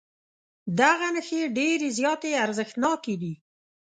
دغه نښې ډېرې زیاتې ارزښتناکې دي.